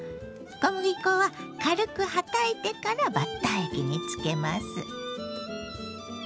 小麦粉は軽くはたいてからバッター液につけます。